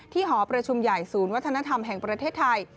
หอประชุมใหญ่ศูนย์วัฒนธรรมแห่งประเทศไทย